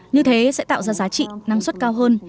như thế sẽ tạo ra giá trị năng suất cao hơn